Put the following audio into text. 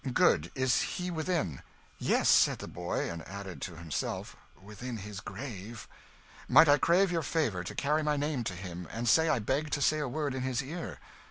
"Good is he within?" "Yes," said the boy; and added, to himself, "within his grave." "Might I crave your favour to carry my name to him, and say I beg to say a word in his ear?"